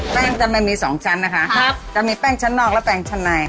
แป้งจะไม่มีสองชั้นนะคะครับจะมีแป้งชั้นนอกและแป้งชั้นใน